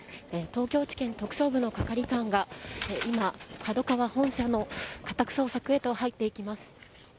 東京地検特捜部の係官が今、ＫＡＤＯＫＡＷＡ本社の家宅捜索へと入っていきます。